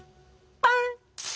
パン！